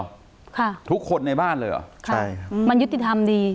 ค่ะทุกคนในบ้านเลยเหรอใช่อืมมันยุติธรรมดี